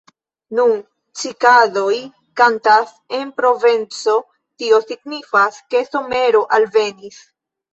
Nun cikadoj kantas en Provenco; tio signifas, ke somero alvenis.